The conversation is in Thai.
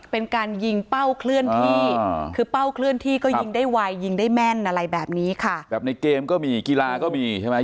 เป็นการยิงเป้าเคลื่อนที่คือเป้าเคลื่อนที่ก็ยิงได้ไวยิงได้แม่นอะไรแบบนี้ค่ะแบบในเกมก็มีกีฬาก็มีใช่ไหม